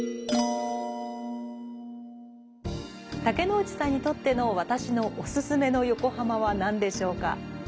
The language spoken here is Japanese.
竹野内さんにとっての「私のおすすめの横浜」はなんでしょうか？